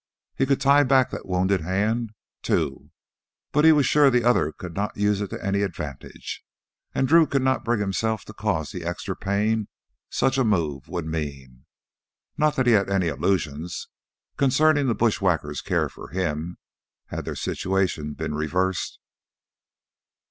He could tie back that wounded hand, too, but he was sure the other could not use it to any advantage, and Drew could not bring himself to cause the extra pain such a move would mean. Not that he had any illusions concerning the bushwhacker's care for him, had their situation been reversed.